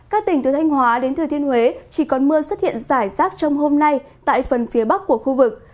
các tỉnh từ thanh hóa đến thừa thiên huế chỉ còn mưa xuất hiện rải rác trong hôm nay tại phần phía bắc của khu vực